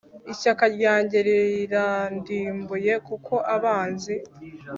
Ishyaka ryanjye rirandimbuye Kuko abanzi